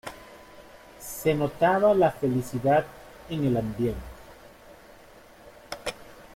Se notaba la felicidad en el ambiente.